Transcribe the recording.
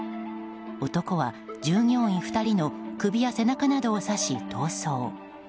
男は従業員２人の首や背中などを刺し逃走。